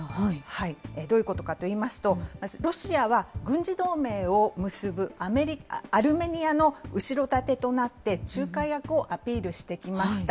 どういうことかといいますと、ロシアは軍事同盟を結ぶアルメニアの後ろ盾となって、仲介役をアピールしてきました。